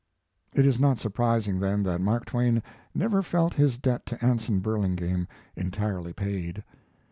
It is not surprising then that Mark Twain never felt his debt to Anson Burlingame entirely paid.